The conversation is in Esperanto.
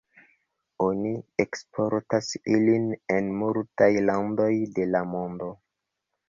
Oni eksportas ilin en multajn landojn de la mondo.